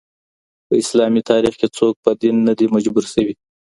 په اسلامي تاريخ کي څوک په دين نه دي مجبور سوي.